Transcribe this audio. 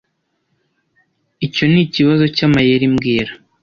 Icyo nikibazo cyamayeri mbwira